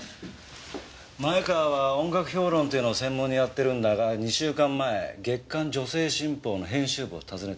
前川は音楽評論っていうのを専門にやってるんだが２週間前『月刊女性新報』の編集部を訪ねてました。